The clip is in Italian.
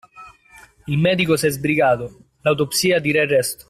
Il medico s'è sbrigato: L'autopsia dirà il resto.